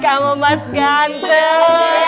kamu mas ganteng